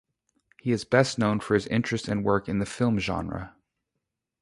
He is best known for his interest and work in the film genre.